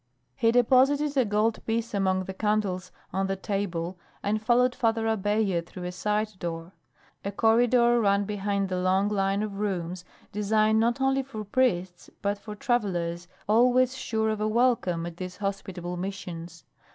He deposited a gold piece among the candles on the table and followed Father Abella through a side door. A corridor ran behind the long line of rooms designed not only for priests but for travellers always sure of a welcome at these hospitable Missions.